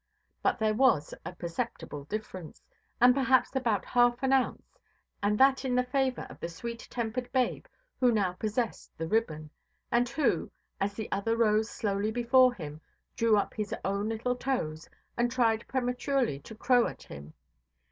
But there was a perceptible difference, of perhaps about half an ounce, and that in favour of the sweet–tempered babe who now possessed the ribbon; and who, as the other rose slowly before him, drew up his own little toes, and tried prematurely to crow at him.